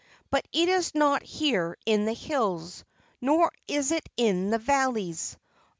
But it is not here in the hills, nor is it in the valleys.